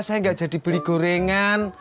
saya nggak jadi beli gorengan